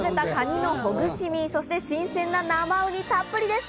みそをまぜたカニのほぐし身、そして新鮮な生ウニたっぷりです。